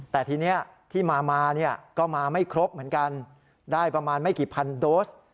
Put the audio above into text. แต่ทีนี้ที่มาก็มาไม่ครบเหมือนกันได้ประมาณไม่กี่พันโดส